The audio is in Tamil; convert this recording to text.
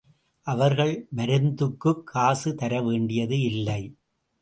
அவர்கள் மருந்துக்குக் காசு தர வேண்டியது இல்லை.